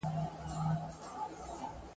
یو له تمي ویړه خوله وي درته خاندي ..